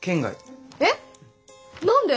えっ何で？